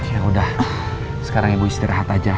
ya udah sekarang ibu istirahat aja